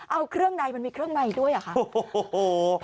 เอาเครื่องในน้ำมาล้างด้วยหรอ๒๐๐๘